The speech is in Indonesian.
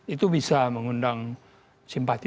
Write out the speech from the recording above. itu bisa mengundang simpati